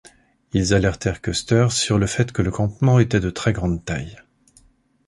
Ils alertèrent Custer sur le fait que le campement était de très grande taille.